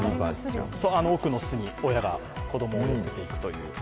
奥の巣に親が子供をのせていくという。